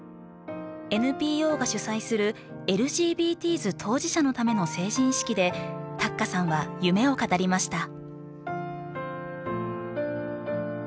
ＮＰＯが主催するＬＧＢＴｓ当事者のための成人式でたっかさんは夢を語りました。